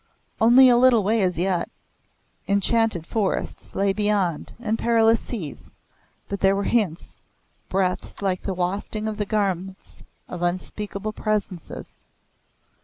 Only a little way as yet. Enchanted forests lay beyond, and perilous seas, but there were hints, breaths like the wafting of the garments of unspeakable Presences.